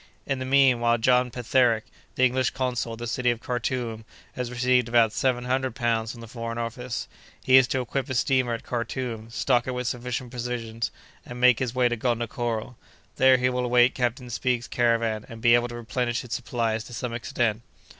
In the mean while John Petherick, the English consul at the city of Karthoum, has received about seven hundred pounds from the foreign office; he is to equip a steamer at Karthoum, stock it with sufficient provisions, and make his way to Gondokoro; there, he will await Captain Speke's caravan, and be able to replenish its supplies to some extent."